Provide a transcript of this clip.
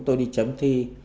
tôi đi chấm thi